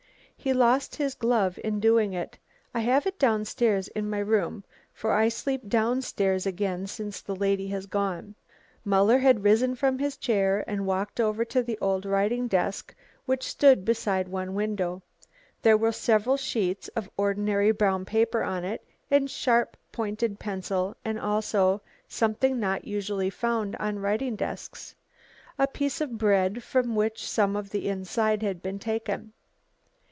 He lost his glove in doing it. I have it down stairs in my room, for I sleep down stairs again since the lady has gone." Muller had risen from his chair and walked over to the old writing desk which stood beside one window. There were several sheets of ordinary brown paper on it and sharp pointed pencil and also something not usually found on writing desks, a piece of bread from which some of the inside had been taken.